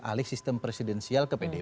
alih sistem presidensial ke pdip